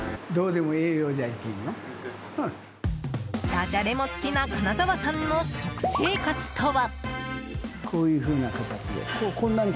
ダジャレも好きな金澤さんの食生活とは。